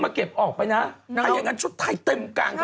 เพิ่มกลางกระหนุ่มหน้าสาธารณะ